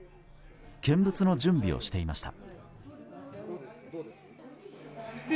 見物の準備をしていました。